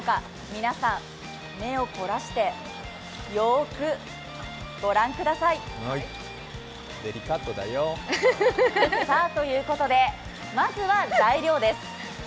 皆さん目をこらしてよーく御覧ください。ということで、まずは材料です。